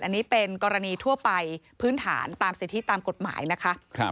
อันนี้เป็นกรณีทั่วไปพื้นฐานตามสิทธิตามกฎหมายนะคะ